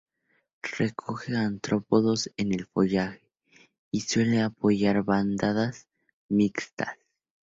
Recoge artrópodos en el follaje, y suele acompañar bandadas mixtas.